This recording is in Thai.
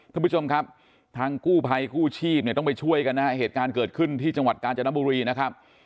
ท่านผู้ชมครับทางกู้ภัยกู้ชีพเนี่ยต้องไปช่วยกันนะฮะเหตุการณ์เกิดขึ้นที่จังหวัดกาญจนบุรีนะครับ